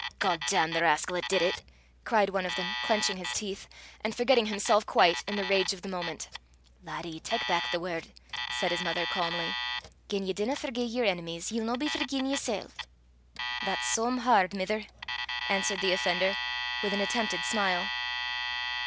"God damn the rascal 'at did it!" cried one of them, clenching his teeth, and forgetting himself quite in the rage of the moment. "Laddie, tak back the word," said his mother calmly. "Gien ye dinna forgie yer enemies, ye'll no be forgi'en yersel'." "That's some hard, mither," answered the offender, with an attempted smile.